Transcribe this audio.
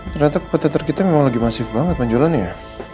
ternyata kepetetan kita memang lagi masif banget pak joran ya